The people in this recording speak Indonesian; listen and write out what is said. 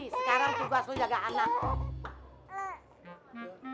sekarang juga selalu jaga anak